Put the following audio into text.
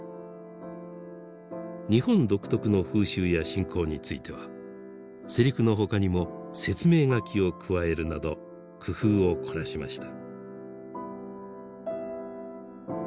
日本独特の風習や信仰についてはセリフの他にも説明書きを加えるなど工夫を凝らしました。